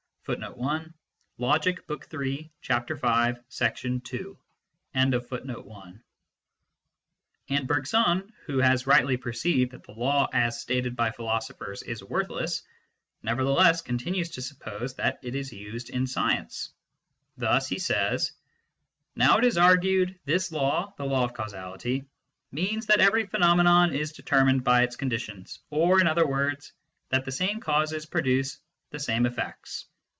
1 And Bergson, who has rightly perceived that the law as stated by philosophers is worthless, nevertheless con tinues to suppose that it is used in science. Thus he says :" Now, it is argued, this law [the law of causality] means that every phenomenon is determined by its conditions, or, in other words, that the same causes produce the same effects.